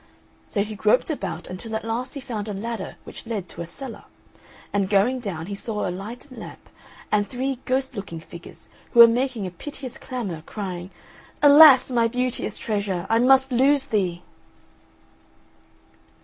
So he groped about until at last he found a ladder which led to a cellar; and, going down, he saw a lighted lamp, and three ghost looking figures who were making a piteous clamour, crying, "Alas, my beauteous treasure, I must lose thee!"